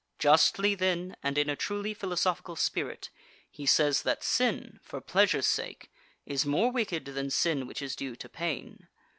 Justly then, and in a truly philosophical spirit, he says that sin, for pleasure's sake, is more wicked than sin which is due to pain.